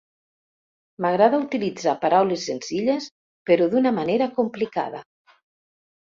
M'agrada utilitzar paraules senzilles, però d'una manera complicada.